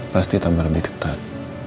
pasti tambah lebih ketat